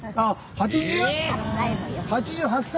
８０？８歳。